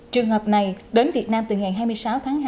trường hợp này đến việt nam từ ngày hai mươi sáu tháng hai